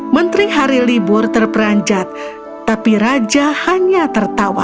menteri hari libur terperanjat tapi raja hanya tertawa